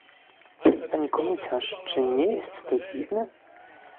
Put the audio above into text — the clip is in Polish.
Pani komisarz, czy nie jest to dziwne?